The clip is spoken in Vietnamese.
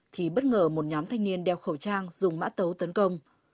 thì bất ngờ một nhóm thanh niên đeo khẩu trang dùng mã tấu tấn công